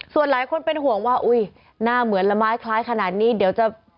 ส่วนหลายคนเป็นห่วงว่าอุ้ยหน้าเหมือนละไม้คล้ายขนาดนี้เดี๋ยวจะ